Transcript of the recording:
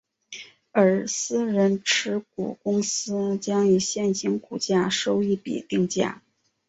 而私人持股公司将以现行股价收益比定价。